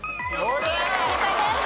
正解です。